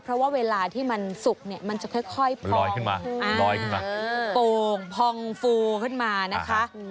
เพราะว่าเวลาที่มันสุกเนี่ยมันจะค่อยลอยขึ้นมาลอยขึ้นมาโป่งพองฟูขึ้นมานะคะ